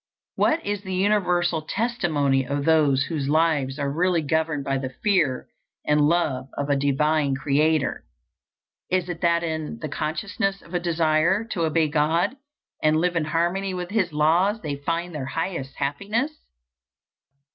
What is the universal testimony of those whose lives are really governed by the fear and love of a divine Creator? It is that in the consciousness of a desire to obey God and live in harmony with His laws they find their highest happiness.